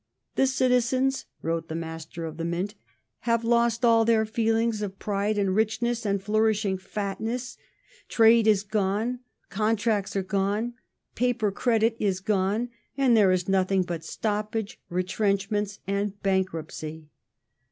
" The Citizens," wrote the H^^^ Master of the Mint, " have lost all their feelings of pride and rich ness and flourishing fatness, trade is gone, contracts are gone, paper y / credit is gone, and there is nothing but stoppage, retrenchments and bankruptcy."